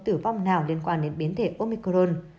tử bong nào liên quan đến biến thể omicron